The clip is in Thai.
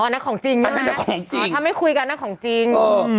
อ๋อนั่นควรจริงนะครับอ๋อถ้าไม่คุยกันนั้นควรจริง